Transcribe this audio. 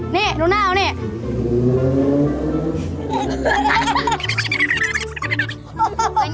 นี่ดูหน้าเครื่องมือเนี่ย